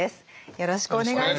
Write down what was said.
よろしくお願いします。